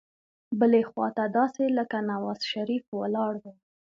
بلې خوا ته داسې لکه نوزا شریف ولاړ وو.